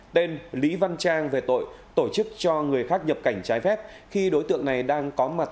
tên lý văn trang về tội tổ chức cho người khác nhập cảnh trái phép khi đối tượng này đang có mặt